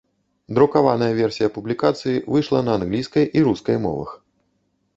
Друкаваная версія публікацыі выйшла на англійскай і рускай мовах.